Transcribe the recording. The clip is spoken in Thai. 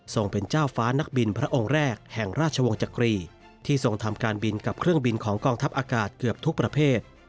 เป็นเจ้าฟ้านักบินพระองค์แรกแห่งราชวงศ์จักรีที่ทรงทำการบินกับเครื่องบินของกองทัพอากาศเกือบทุกประเภท